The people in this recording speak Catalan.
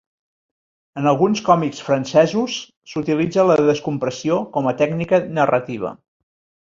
En alguns còmics francesos s'utilitza la descompressió com a tècnica narrativa.